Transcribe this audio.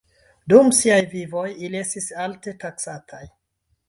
Dum siaj vivoj, ili estis alte taksataj.